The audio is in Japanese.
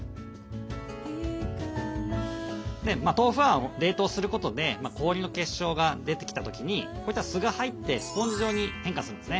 豆腐は冷凍することで氷の結晶が出てきた時にこういったすが入ってスポンジ状に変化するんですね。